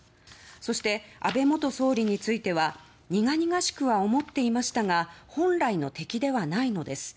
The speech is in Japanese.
そして、安倍元総理については苦々しくは思っていましたが本来の敵ではないのです